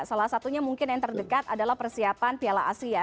salah satunya mungkin yang terdekat adalah persiapan piala asia